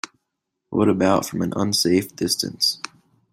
What about from an unsafe distance?